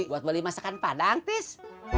buat beli masakan padang tis